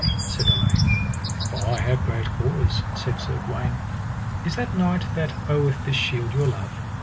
said Elaine. For I have great cause, said Sir Gawaine. Is that knight that oweth this shield your love?